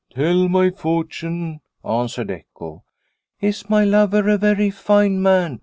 " Tell my fortune/' answered echo. " Is my lover a very fine man